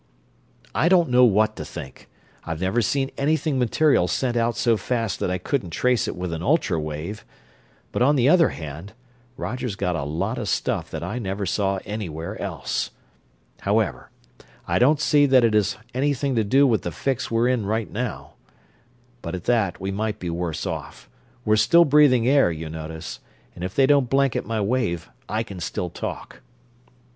"I don't know what to think. I've never seen anything material sent out so fast that I couldn't trace it with an ultra wave but on the other hand, Roger's got a lot of stuff that I never saw anywhere else. However, I don't see that it has anything to do with the fix we're in right now but at that, we might be worse off. We're still breathing air, you notice, and if they don't blanket my wave I can still talk."